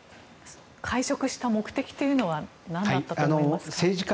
会食した目的というのはなんだったと思いますか？